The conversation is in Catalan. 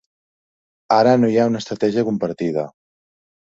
Ara no hi ha una estratègia compartida.